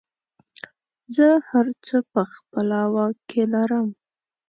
زه هر څه په خپله واک کې لرم.